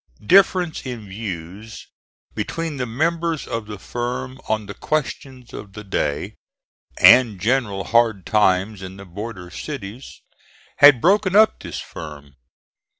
Difference in views between the members of the firm on the questions of the day, and general hard times in the border cities, had broken up this firm.